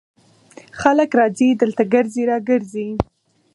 خلک راځي دلته ګرځي را ګرځي.